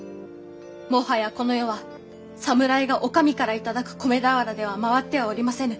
もはやこの世は侍がお上から頂く米俵では回ってはおりませぬ。